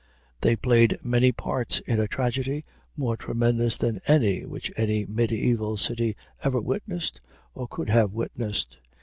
They played mighty parts in a tragedy more tremendous than any which any mediæval city ever witnessed or could have witnessed.